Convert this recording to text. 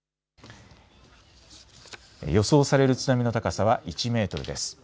予想される津波の高さは１メートルです。